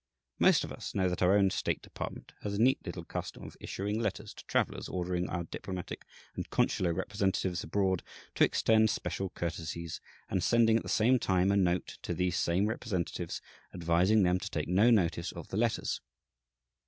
Most of us know that our own state department has a neat little custom of issuing letters to travellers ordering our diplomatic and consular representatives abroad to extend special courtesies, and sending, at the same time, a notice to these same representatives advising them to take no notice of the letters.